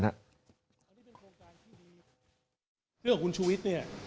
เรื่องคุณชุวิต